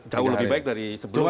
jauh lebih baik dari sebelumnya